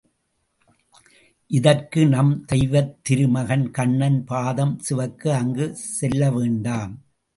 இதற்கு நம் தெய்வத்திரு மகன் கண்ணன் பாதம் சிவக்க அங்குச் செல்லவேண்டாம்.